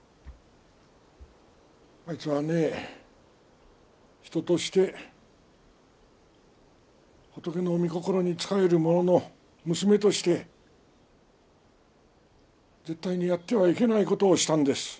あいつはね人として仏の御心に仕える者の娘として絶対にやってはいけない事をしたんです。